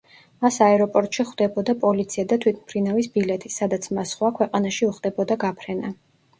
მას აეროპორტში ხვდებოდა პოლიცია და თვითმფრინავის ბილეთი, სადაც მას სხვა ქვეყანაში უხდებოდა გაფრენა.